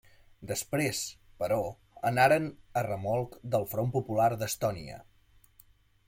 Després, però, anaren a remolc del Front Popular d'Estònia.